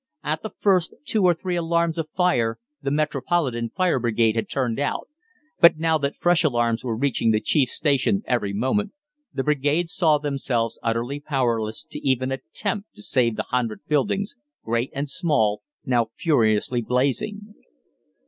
At the first two or three alarms of fire the Metropolitan Fire Brigade had turned out, but now that fresh alarms were reaching the chief station every moment, the brigade saw themselves utterly powerless to even attempt to save the hundred buildings, great and small, now furiously blazing.